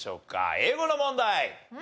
英語の問題。